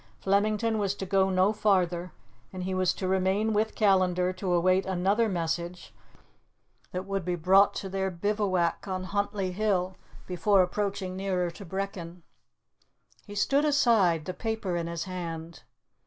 Flemington was to go no farther, and he was to remain with Callandar to await another message that would be brought to their bivouac on Huntly Hill, before approaching nearer to Brechin. He stood aside, the paper in his hand.